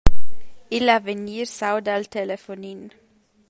Igl avegnir s’auda al telefonin.